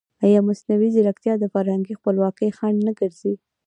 ایا مصنوعي ځیرکتیا د فرهنګي خپلواکۍ خنډ نه ګرځي؟